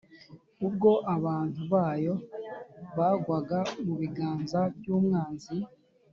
ubwo abantu bayo bagwaga mu biganza by’umwanzi